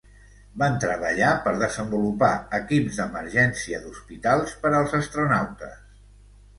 Van treballar per desenvolupar equips d'emergència d'hospitals per als astronautes.